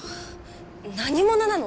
何者なの？